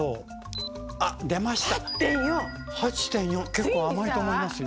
結構甘いと思いますよ。